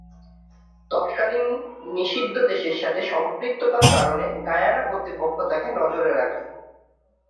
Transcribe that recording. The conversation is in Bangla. তৎকালীন নিষিদ্ধ দেশের সাথে সম্পৃক্ততার কারণে গায়ানা কর্তৃপক্ষ তাকে নজরে রাখে।